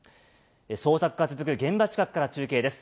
捜索が続く現場近くから中継です。